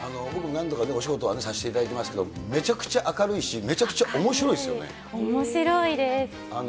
僕も何度かお仕事はさせていただきましたけど、めちゃくちゃ明るいし、めちゃくちゃおもしろおもしろいです。